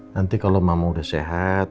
nanti kalau mama udah sehat